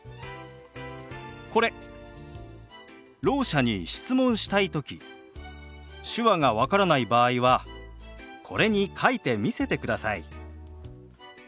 ろう者に質問したい時手話が分からない場合はこれに書いて見せてください。